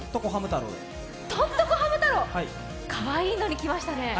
「とっとこハム太郎」かわいいのにきましたね。